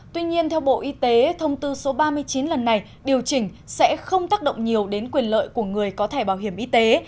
tuy nhiên theo bộ y tế thông tư số ba mươi chín lần này điều chỉnh sẽ không tác động nhiều đến quyền lợi của người có thẻ bảo hiểm y tế